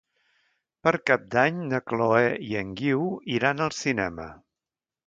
Per Cap d'Any na Chloé i en Guiu iran al cinema.